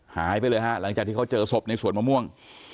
หายไปเลยฮะหลังจากที่เขาเจอศพในสวนมะม่วง